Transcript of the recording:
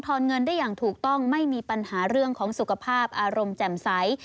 อนเงินได้อย่างถูกต้องไม่มีปัญหาเรื่องของสุขภาพอารมณ์แจ่มใส